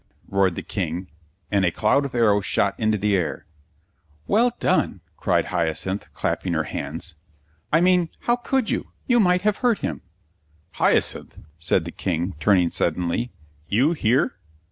roared the King, and a cloud of arrows shot into the air. "Well done!" cried Hyacinth, clapping her hands. "I mean, how could you? You might have hurt him." "Hyacinth," said the King, turning suddenly; "you here?"